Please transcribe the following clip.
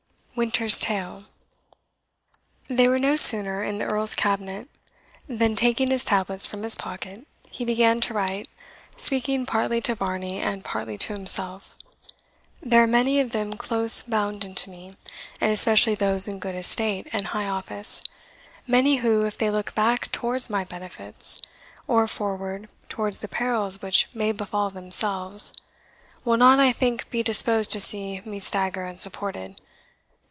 WINTER'S TALE. They were no sooner in the Earl's cabinet than, taking his tablets from his pocket, he began to write, speaking partly to Varney, and partly to himself "There are many of them close bounden to me, and especially those in good estate and high office many who, if they look back towards my benefits, or forward towards the perils which may befall themselves, will not, I think, be disposed to see me stagger unsupported.